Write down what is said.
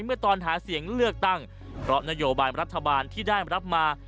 เมื่อตอนหาเสียงเลือกตั้งเพราะนโยบายรัฐบาลที่ได้รับมา